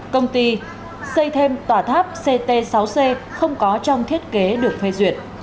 công ty xây thêm tòa tháp ct sáu c không có trong thiết kế được phê duyệt